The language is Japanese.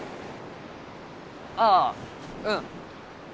ああうん。